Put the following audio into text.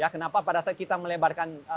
kenapa pada saat kita melebarkan